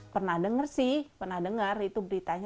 pernah dengar sih pernah dengar itu beritanya